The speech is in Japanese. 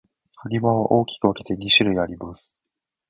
埴輪は大きく分けて二種類あります。